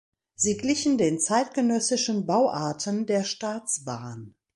Sie glichen den zeitgenössischen Bauarten der Staatsbahn.